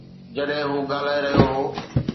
جڏهن هو ڳالهائي رهيو هو.